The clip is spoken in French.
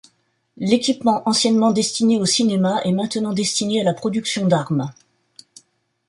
L'équipement anciennement destinés au cinéma est maintenant destiné à la production d'armes.